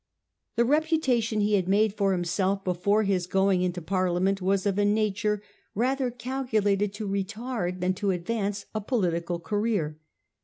The reputation he had made for himself before his going into Parlia . ment was of a nature rather calculated to retard than to advance a political career.